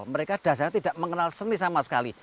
mereka dasarnya tidak mengenal seni sama sekali